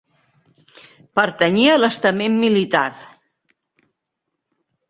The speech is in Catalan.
Pertanyia a l'estament militar.